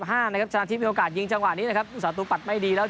อาที๘๕ชนะทิพย์มีโอกาสยิงจังหวะนี้ผู้สัจประตูปัดไม่ดีแล้ว